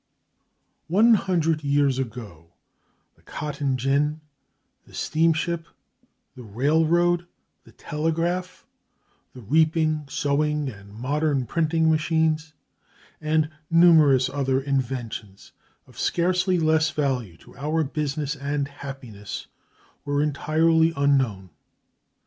One hundred years ago the cotton gin, the steamship, the railroad, the telegraph, the reaping, sewing, and modern printing machines, and numerous other inventions of scarcely less value to our business and happiness were entirely unknown.